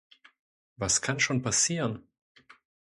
Was kann schon passieren?